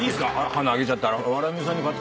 花あげちゃって。